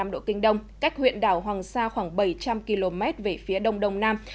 một trăm một mươi tám năm độ kinh đông cách huyện đảo hoàng sa khoảng bảy trăm linh km về phía đông đông nam